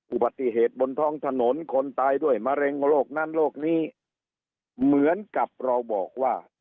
อุบัติเหตุบนท้องถนนคนตายด้วยมะเร็งโรคนั้นโรคนี้เหมือนกับเราบอกว่า